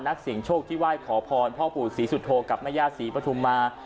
นักเสียงโชคที่ไหว้ขอพรพ่อปู่ศรีสุโธกับแม่ย่าศรีปฐุมมา